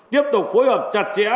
tiếp tục phối hợp chặt chẽ